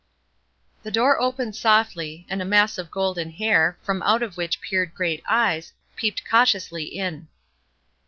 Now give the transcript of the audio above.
The door opened softly, and a mass of golden hair, from out of which peered great eyes, peeped cautiously in.